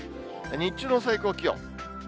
日中の最高気温。